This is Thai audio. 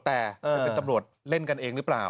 แต่จะเป็นตำรวจเล่นกันเองหรือเปล่า